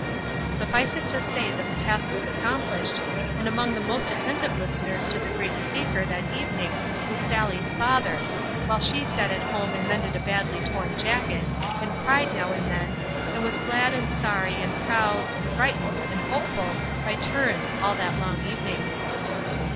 Suffice it to say that the task was accomplished, and among the most attentive listeners to the great speaker that evening was Sallie's father, while she sat at home and mended a badly torn jacket, and cried now and then, and was glad and sorry and proud and frightened and hopeful by turns all that long evening.